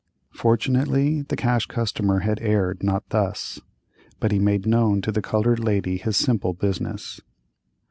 Fortunately the Cash Customer had erred not thus, but he made known to the colored lady his simple business.